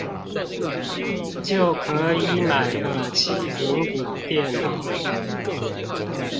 就可以買得起蘋果電腦